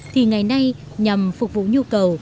thì ngày nay nhằm phục vụ nhu cầu